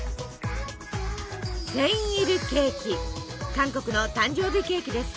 韓国の誕生日ケーキです。